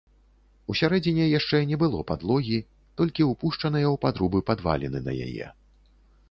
Усярэдзіне яшчэ не было падлогі, толькі ўпушчаныя ў падрубы падваліны на яе.